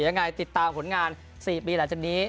ยังไงติดตามผลงาน๔ปีหลังจากนี้